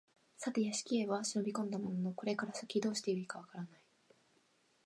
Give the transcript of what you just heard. さて邸へは忍び込んだもののこれから先どうして善いか分からない